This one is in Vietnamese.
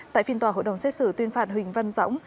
tại phiên tòa hội đồng xét xử tuyên phạt huỳnh văn dõng